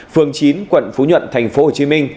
phường chín quận phú nhuận tp hcm